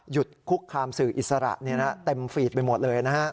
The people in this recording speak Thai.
คุกคามสื่ออิสระเต็มฟีดไปหมดเลยนะฮะ